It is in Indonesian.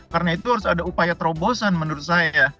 karena itu harus ada upaya terobosan menurut saya